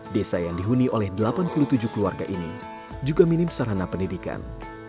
desa yang dihuni oleh delapan puluh tujuh keluarga ini juga minim sarana pendidikan